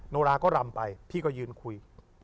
โนราก็รำไปพี่ก็ยืนคุย